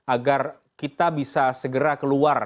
agar kita bisa segera keluar